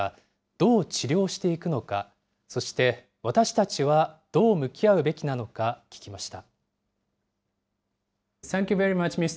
どう治療していくのか、そして私たちはどう向き合うべきなのか聞きました。